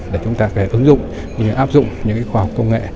để chúng ta có thể ứng dụng áp dụng những khoa học công nghệ